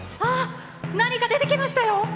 あっ何か出てきましたよ。